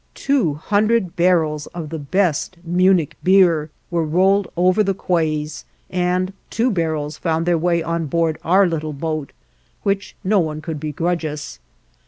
Two hundred barrels of the best Munich beer were rolled over the quays, and two barrels found their way on board our little boat, which no one could begrudge us.